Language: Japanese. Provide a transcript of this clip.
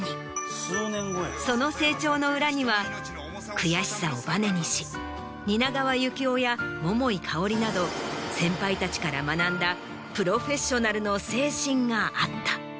悔しさをバネにし蜷川幸雄や桃井かおりなど先輩たちから学んだプロフェッショナルの精神があった。